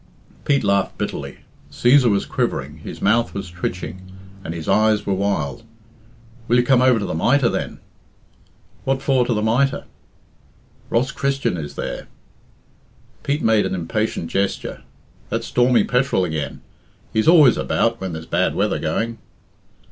Pete laughed bitterly. Cæsar was quivering, his mouth was twitching, and his eyes were wild. "Will you come over to the 'Mitre,' then?" "What for to the 'Mitre'?" "Ross Christian is there." Pete made an impatient gesture. "That stormy petrel again! He's always about when there's bad weather going."